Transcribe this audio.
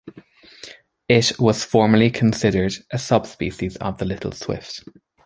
It was formerly considered a subspecies of the little swift.